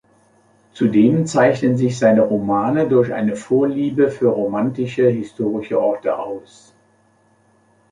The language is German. Zudem zeichnen sich seine Romane durch eine Vorliebe für romantische historische Orte aus.